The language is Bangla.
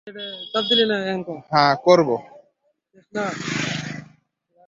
হ্যাঁ, করবো।